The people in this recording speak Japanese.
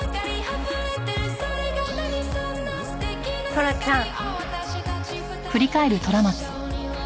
トラちゃん。